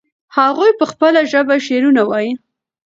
هغوی په خپله ژبه شعرونه وایي.